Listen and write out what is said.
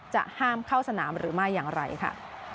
จะห้ามเข้าสนามหรือไม่อย่างไรค่ะ